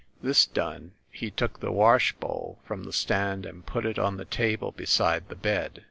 This done, he took the wash bowl from the stand and put it on the table beside the bed.